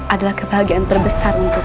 adalah kebahagiaan terbesar untukku